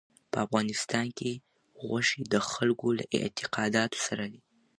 په افغانستان کې غوښې د خلکو له اعتقاداتو سره دي.